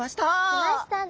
来ましたね。